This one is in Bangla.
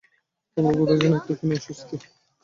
তবুও কোথায় যেন একটা ক্ষীণ অস্বস্তি থাকে।